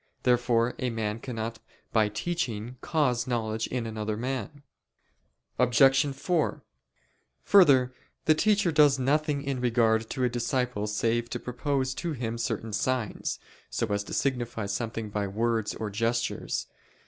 Therefore a man cannot by teaching cause knowledge in another man. Obj. 4: Further, the teacher does nothing in regard to a disciple save to propose to him certain signs, so as to signify something by words or gestures.